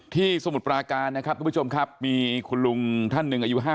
สมุทรปราการนะครับทุกผู้ชมครับมีคุณลุงท่านหนึ่งอายุ๕๐